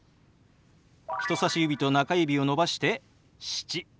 人さし指と中指を伸ばして「７」。